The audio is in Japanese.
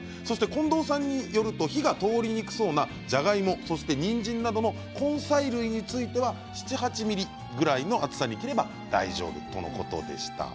近藤さんによると火が通りにくそうなじゃがいも、にんじんなどの根菜類については７、８ｍｍぐらいの厚さに切れば大丈夫とのことでした。